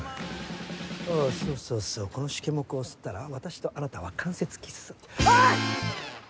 そうそうそうこのシケモクを吸ったら私とあなたは間接キッスああっ！